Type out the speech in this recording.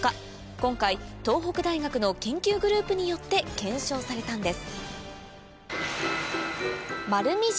今回東北大学の研究グループによって検証されたんです